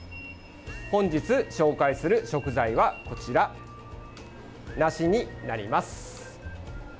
本日紹介する食材はこちら梨になります。